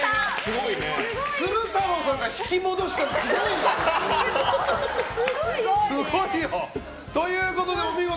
鶴太郎さんから引き戻したのすごいね。ということで、お見事。